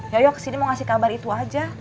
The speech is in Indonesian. yoyo kesini mau ngasih kabar itu aja